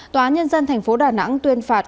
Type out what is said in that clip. tòa nhân dân tp đà nẵng tuyên phạt